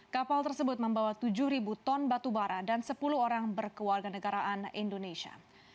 kapal tersebut membawa tujuh ton batubara dan sepuluh orang berkeluarga negaraan indonesia